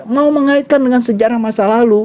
mau mengaitkan dengan sejarah masa lalu